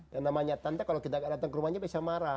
yang namanya tante kalau kita gak datang ke rumahnya bisa marah